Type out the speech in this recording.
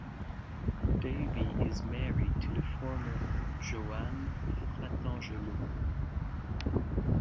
Davie is married to the former Joanne Fratangelo.